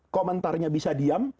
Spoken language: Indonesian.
komentarnya bisa diam